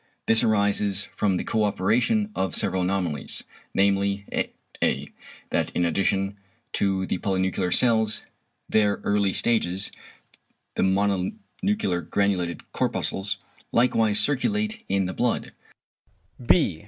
This arises from the co operation of several anomalies, namely: A. =that in addition to the polynuclear cells, their early stages, the mononuclear granulated corpuscles likewise circulate in the blood=; B.